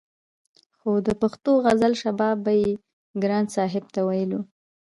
خو د پښتو غزل شباب به يې ګران صاحب ته ويلو